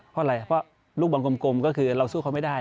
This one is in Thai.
เพราะลูกบอลกลมก็คือเราสู้เขาไม่ได้